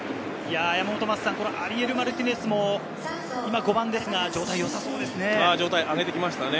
アリエル・マルティネスも今、５番ですが、状態が良さそうですね。